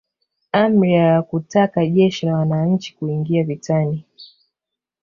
Amri ya kutaka Jeshi la Wananchi kuingia vitani